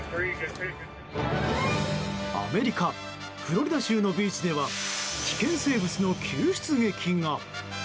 アメリカ・フロリダ州のビーチでは危険生物の救出劇が。